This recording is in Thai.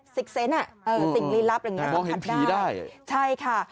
สิกเซนต์น่ะเออสิ่งลิลับมองเห็นผีได้ใช่ค่ะ